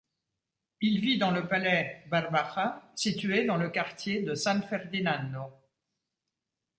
Il vit dans le palais Barbaja, situé dans le quartier de San Ferdinando.